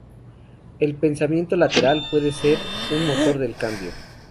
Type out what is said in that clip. El pensamiento lateral puede ser un motor del cambio.